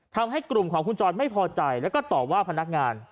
ทำให้กลุ่มของคุณจรไม่พอใจแล้วก็ตอบว่าพนักงาน